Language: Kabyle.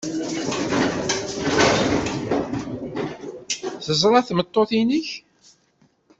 Teẓra tmeṭṭut-nnek?